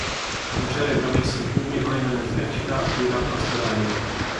Non celebra messe in pubblico e non esercita attività pastorali.